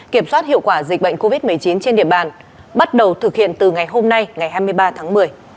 kiểm soát hiệu quả dịch bệnh covid một mươi chín trên địa bàn bắt đầu thực hiện từ ngày hôm nay ngày hai mươi ba tháng một mươi